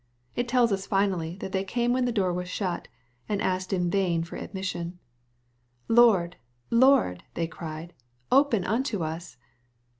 It tells us finally, that they came when the door was shut, and as^ed in vain for admission. " Lord, Lord," they cried, " open unto us."